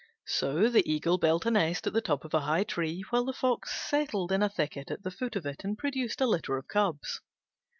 So the Eagle built a nest at the top of a high tree, while the Fox settled in a thicket at the foot of it and produced a litter of cubs.